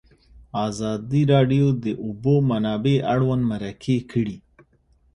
ازادي راډیو د د اوبو منابع اړوند مرکې کړي.